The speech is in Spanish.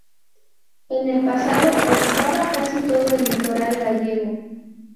En el pasado, ocupaba casi todo el litoral gallego.